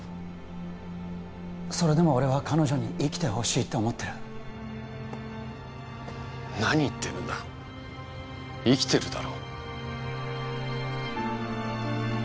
それでも俺は彼女に生きてほしいって思ってる何言ってるんだ生きてるだろ